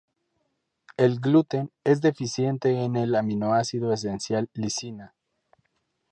El gluten es deficiente en el aminoácido esencial lisina.